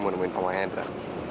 mau nemuin pema hendra